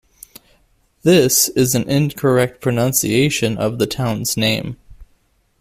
This is an incorrect pronunciation of the town's name.